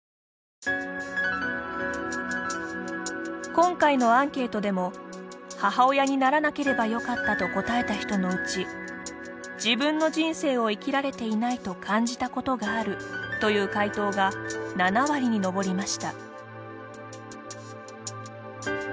今回のアンケートでも「母親にならなければよかった」と答えた人のうち「自分の人生を生きられていない」と感じたことがあるという回答が７割に上りました。